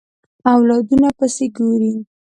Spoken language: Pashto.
اولادونو پسې ګوري